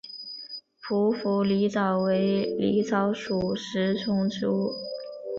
匍匐狸藻为狸藻属食虫植物。